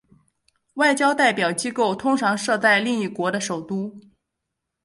外交代表机构通常设在另一国的首都。